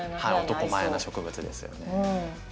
男前な植物ですよね。